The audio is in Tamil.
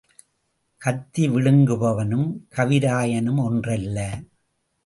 கத்தி விழுங்குபவனும் கவிராயனும் ஒன்றல்ல.